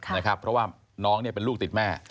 เพราะว่าน้องเป็นลูกติดแม่